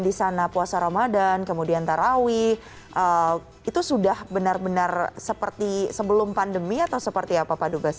di sana puasa ramadan kemudian tarawih itu sudah benar benar seperti sebelum pandemi atau seperti apa pak dubes